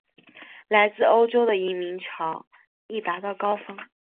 来自欧洲的移民潮亦达到高峰。